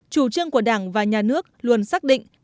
chủ trương của đảng và nhà nước luôn xác định